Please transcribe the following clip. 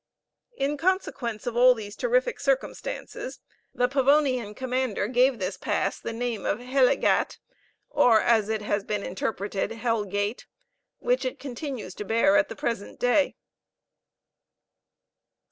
In consequence of all these terrific circumstances, the Pavonian commander gave this pass the name of Helle gat, or, as it has been interpreted, Hell gate; which it continues to bear at the present day.